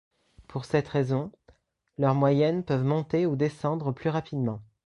Pour cette raison, leurs moyennes peuvent monter ou descendre plus rapidement.